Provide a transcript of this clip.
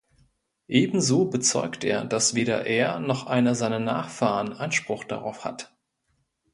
Ebenso bezeugt er, dass weder er noch einer seiner Nachfahren Anspruch darauf hat.